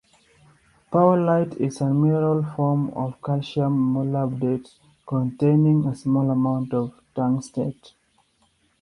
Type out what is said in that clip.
Powellite is a mineral form of calcium molybdate containing a small amount of tungstate.